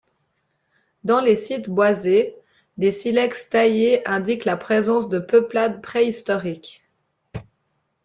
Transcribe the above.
Dans les sites boisés, des silex taillés indiquent la présence de peuplades préhistoriques.